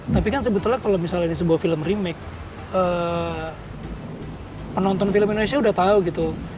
tapi kan sebetulnya kalau misalnya di sebuah film remake penonton film indonesia udah tahu gitu